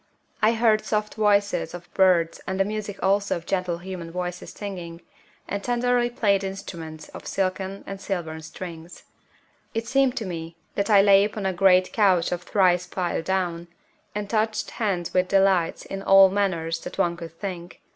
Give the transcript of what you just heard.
I heard soft voices of birds and the music also of gentle human voices singing, and tenderly played instruments of silken and silvern strings. It seemed to me that I lay upon a great couch of thrice piled down, and touched hands with delights in all manners that one could think.